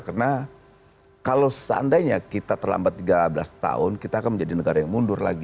karena kalau seandainya kita terlambat tiga belas tahun kita akan menjadi negara yang mundur lagi